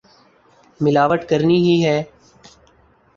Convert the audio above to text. ملاوٹ کرنی ہی ہے۔